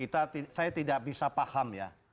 tentu bahwa saya tidak bisa paham ya